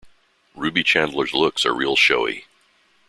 Ruby Chandler’s looks are real showy.